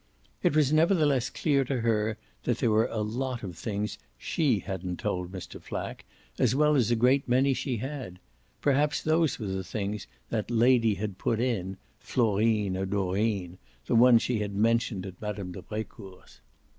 It was nevertheless clear to her that there were a lot of things SHE hadn't told Mr. Flack, as well as a great many she had: perhaps those were the things that lady had put in Florine or Dorine the one she had mentioned at Mme. de Brecourt's.